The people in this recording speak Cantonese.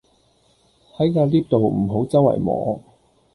喺架 𨋢 度唔好週圍摸